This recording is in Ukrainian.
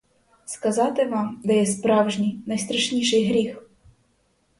Сказати вам, де є справжній, найстрашніший гріх?